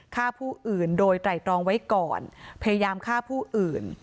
ฆ่าผู้อื่นโดยไตรตรองไว้ก่อนพยายามฆ่าผู้อื่น